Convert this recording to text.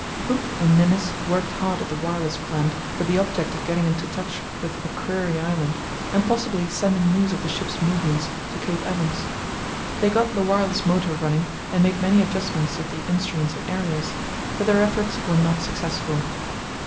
Hooke and Ninnis worked hard at the wireless plant with the object of getting into touch with Macquarie Island, and possibly sending news of the ship's movements to Cape Evans. They got the wireless motor running and made many adjustments of the instruments and aerials, but their efforts were not successful.